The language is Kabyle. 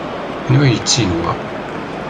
Anwa ay yettin wa?